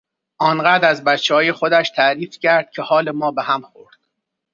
آنقدر از بچههای خودش تعریف کرد که حال ما به هم خورد.